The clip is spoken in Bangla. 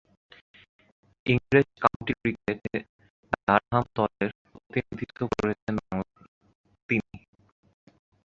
ইংরেজ কাউন্টি ক্রিকেটে ডারহাম দলের প্রতিনিধিত্ব করছেন তিনি।